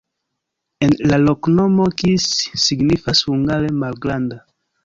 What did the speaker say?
En la loknomo kis signifas hungare: malgranda.